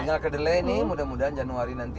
tinggal kedelai nih mudah mudahan januari nanti